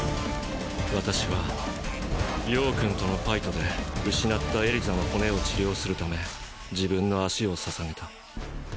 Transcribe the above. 私は葉くんとのファイトで失ったエリザの骨を治療するため自分の足をささげた。